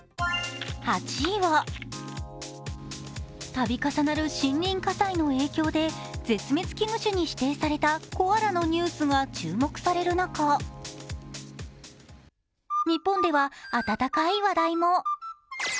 ８位は、度重なる森林火災の影響で絶滅危惧種に指定されたコアラのニュースが注目される中、日本では温かい話題も。